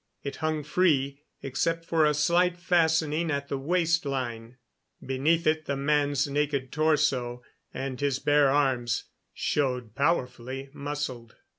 It hung free, except for a slight fastening at the waist line. Beneath it the man's naked torso and his bare arms showed powerfully muscled.